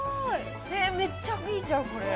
めっちゃいいじゃんこれ。